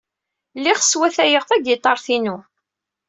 Lliɣ swatayeɣ tagiṭart-inu.